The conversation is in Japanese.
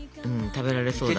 食べられそうだね。